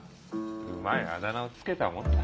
うまいあだ名を付けたもんだ。